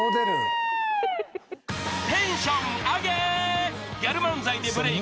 ［テンションアゲ！］